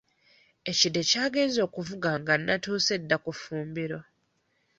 Ekide kyagenze okuvuga nga nze nnatuuse dda ku ffumbiro.